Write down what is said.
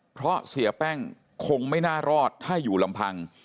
เพราะเสียแป้งคงไม่น่ารอดถ้าอยู่ลำพัง